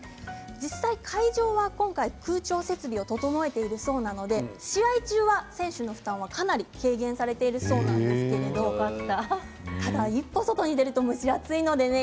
実際、会場は今回は空調設備を整えているそうなので試合中は選手への負担はかなり軽減されているそうなんですけれどただ一歩外に出ると蒸し暑いのでね